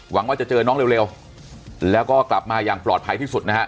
หวังว่าจะเจอน้องเร็วแล้วก็กลับมาอย่างปลอดภัยที่สุดนะฮะ